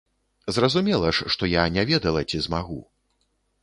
Зразумела ж, што я не ведала ці змагу.